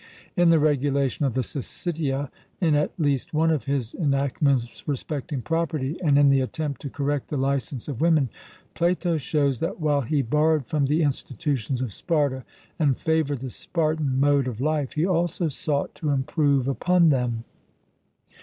In the regulation of the Syssitia, in at least one of his enactments respecting property, and in the attempt to correct the licence of women, Plato shows, that while he borrowed from the institutions of Sparta and favoured the Spartan mode of life, he also sought to improve upon them.